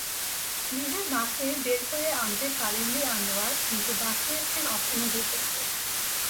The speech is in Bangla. নিজের মাকে বের করে আনতে পারেননি আনোয়ার, কিন্তু বাঁচিয়েছেন অচেনা দুজনকে।